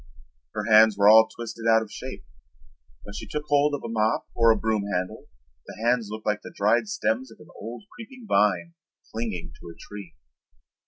Her hands were all twisted out of shape. When she took hold of a mop or a broom handle the hands looked like the dried stems of an old creeping vine clinging to a tree.